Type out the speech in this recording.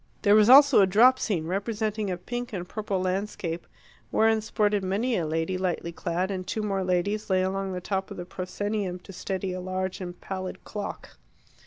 There was also a drop scene, representing a pink and purple landscape, wherein sported many a lady lightly clad, and two more ladies lay along the top of the proscenium to steady a large and pallid clock.